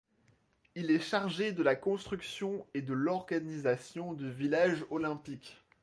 Il est chargé de la construction et de l'organisation du village olympique.